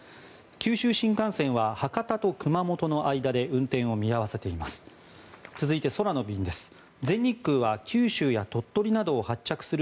九州新幹線は博多と熊本の間で運転を見合わせています。